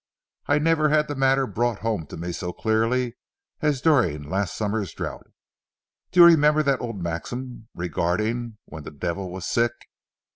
I never had the matter brought home to me so clearly as during last summer's drouth. Do you remember that old maxim regarding when the devil was sick?